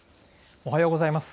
おはようございます。